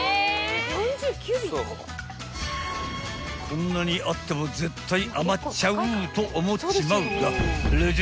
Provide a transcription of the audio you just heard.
［こんなにあっても絶対余っちゃうと思っちまうが］